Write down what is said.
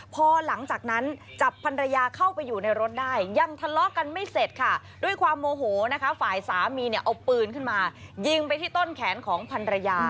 พอหลังจากนั้นจับพันรยาเข้าไปอยู่ในรถได้ยังทะเลาะกันไม่เสร็จค่ะด้วยความโมโหนะคะฝ่ายสามีเนี่ยเอาปืนขึ้นมายิงไปที่ต้นแขนของพันรยา